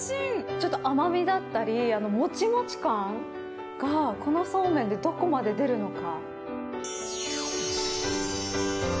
ちょっと甘みだったりもちもち感がこのそうめんでどこまで出るのか。